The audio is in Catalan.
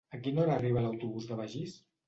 A quina hora arriba l'autobús de Begís?